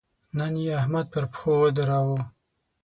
نن يې احمد پر پښو ودراوو.